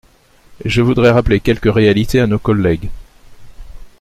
Je voudrais rappeler quelques réalités à nos collègues.